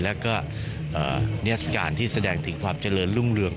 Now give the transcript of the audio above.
แล้วก็นิทัศกาลที่แสดงถึงความเจริญรุ่งเรือง